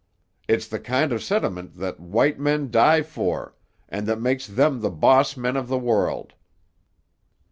It's the kind of sentiment that white men die for, and that makes them the boss men of the world.